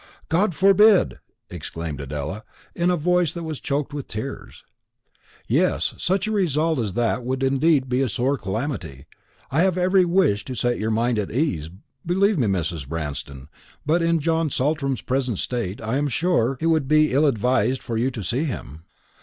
"God forbid!" exclaimed Adela, in a voice that was choked with tears. "Yes, such a result as that would be indeed a sore calamity. I have every wish to set your mind at ease, believe me, Mrs. Branston, but in John Saltram's present state I am sure it would be ill advised for you to see him."